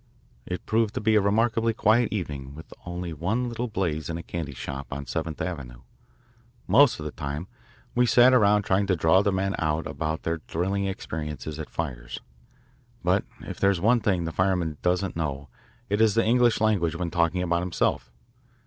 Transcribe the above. It proved to be a remarkably quiet evening with only one little blaze in a candy shop on Seventh Avenue. Most of the time we sat around trying to draw the men out about their thrilling experiences at fires. But if there is one thing the fireman doesn't know it is the English language when talking about himself.